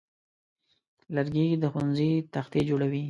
لرګی د ښوونځي تختې جوړوي.